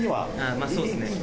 まあそうですね